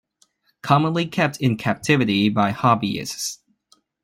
Commonly kept in captivity by hobbyists.